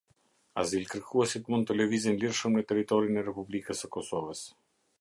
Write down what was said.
Azilkërkuesit mund të lëvizin lirshëm në territorin e Republikës së Kosovës.